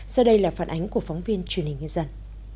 sau đây là phản ánh của phóng viên truyền hình nhân dân